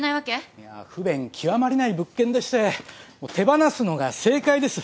いやぁ不便極まりない物件でして手放すのが正解です。